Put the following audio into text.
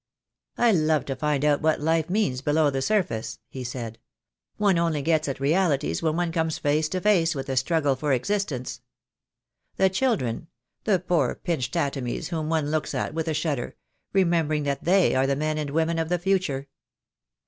"I love to find out what life means below the sur face," he said. "One only gets at realities when one comes face to face with the struggle for existence. The children — the poor pinched atomies whom one looks at with a shudder, remembering that they are the men and women of the future